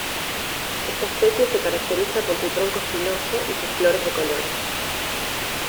Esta especie se caracteriza por su tronco espinoso y sus flores de colores.